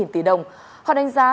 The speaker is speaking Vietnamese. một trăm hai mươi tỷ đồng họ đánh giá